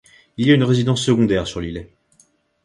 Il y a une résidence secondaire sur l'îlet.